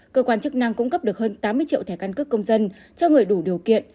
cơ quan chức năng cung cấp được hơn tám mươi triệu thẻ căn cước công dân cho người đủ điều kiện